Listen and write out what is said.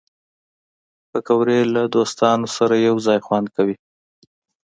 پکورې له دوستانو سره یو ځای خوند کوي